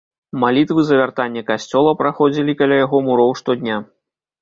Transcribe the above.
Малітвы за вяртанне касцёла праходзілі каля яго муроў штодня.